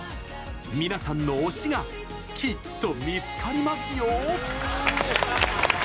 皆さんの推しがきっと見つかりますよ！